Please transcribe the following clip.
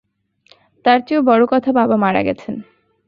তার চেয়েও বড় কথা, বাবা মারা গেছেন।